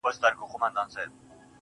وبېرېدم,